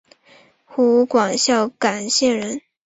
湖广孝感县人。